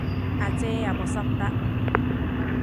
阿姐有冇心得？